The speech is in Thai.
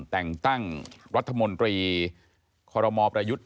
แต่งตั้งรัฐมนตรีขม๕